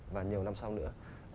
và nhiều năm sau nữa